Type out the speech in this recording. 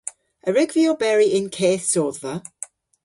A wrug vy oberi y'n keth sodhva?